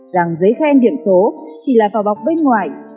rằng giấy khen điểm số chỉ là vỏ bọc bên ngoài